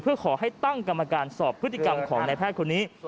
เพื่อขอให้ตั้งกรรมการสอบพฤติกรรมของนายแพทย์คนนี้